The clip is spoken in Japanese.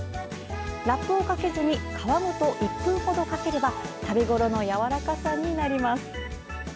ラップをかけずに皮ごと１分ほどかければ食べごろのやわらかさになります。